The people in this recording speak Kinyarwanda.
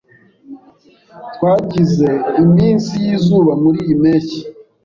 Twagize iminsi yizuba muriyi mpeshyi.